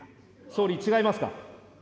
総理、違いますか。